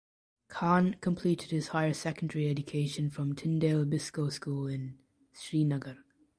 Khan completed his Higher Secondary education from Tyndale Biscoe School in Srinagar.